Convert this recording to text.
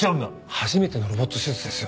初めてのロボット手術ですよ。